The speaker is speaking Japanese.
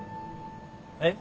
えっ？